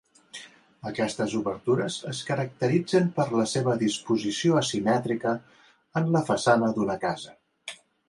Aquestes obertures es caracteritzen per la seva disposició asimètrica en la façana d'una casa.